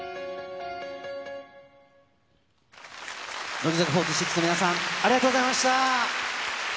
乃木坂４６の皆さん、ありがとうございました。